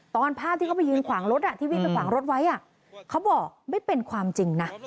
ภาพที่เขาไปยืนขวางรถที่วิ่งไปขวางรถไว้เขาบอกไม่เป็นความจริงนะ